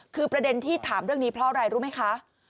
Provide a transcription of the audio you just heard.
คือประเด็นที่ถามเรื่องนี้เพราะอะไรรู้ไหมคะ